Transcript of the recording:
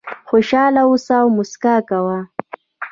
خوشاله اوسه او موسکا کوه .